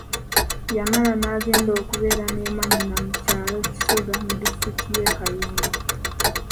Yamala n'agenda okubeera ne mwanyina mu kyalo kisoga mu disitulikiti y'e Kayunga.